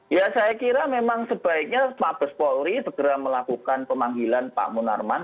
ya saya kira memang sebaiknya mabes polri segera melakukan pemanggilan pak munarman